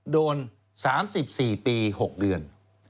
โดน๓๔ปี๖เดือน